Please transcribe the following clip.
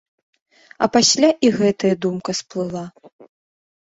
А пасля і гэтая думка сплыла.